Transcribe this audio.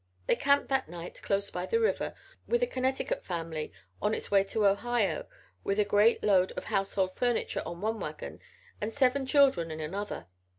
They camped that night, close by the river, with a Connecticut family on its way to Ohio with a great load of household furniture on one wagon and seven children in another.